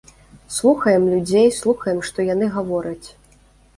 Слухаем людзей, слухаем, што яны гавораць.